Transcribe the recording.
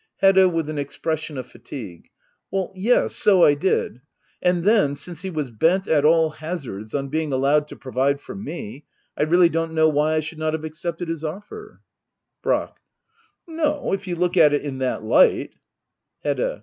Hedda. [With an expression of fatigue,] Yes, so I did. — And then^ since he was bent^ at all hazards^ on being allowed to provide for me — I really don't know why I should not have accepted his offer } Brack. No — if you look at it in that light Hedda.